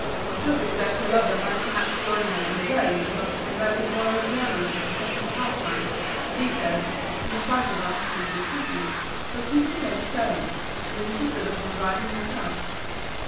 Hoping that her lover might perhaps join her on the road and thus convert a boring journey into a pleasant pastime, Liso, in spite of her husband's entreaties, refused to take a servant, and insisted upon driving herself.